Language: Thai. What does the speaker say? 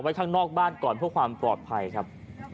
ข้างนอกบ้านก่อนเพื่อความปลอดภัยครับ